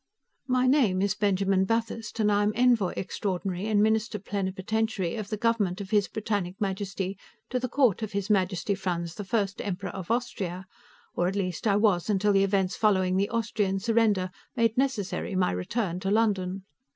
My name is Benjamin Bathurst, and I am Envoy Extraordinary and Minister Plenipotentiary of the government of His Britannic Majesty to the court of His Majesty Franz I, Emperor of Austria, or, at least, I was until the events following the Austrian surrender made necessary my return to London.